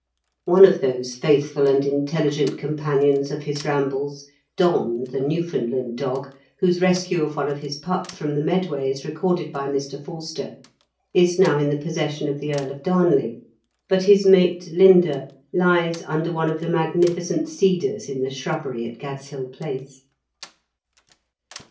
One of those faithful and intelli gent companions of his rambles, Don, the Newfoundland dog, whose rescue of one of his pups from the Medway is recorded by Mr. Forster, is now in the possession of the Earl of Darnley ; but his mate, Linda, lies under one of the magnificent cedars in the shrubbery at Gad's Hill Place.